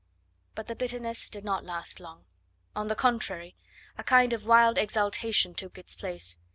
But the bitterness did not last long; on the contrary, a kind of wild exultation took its place.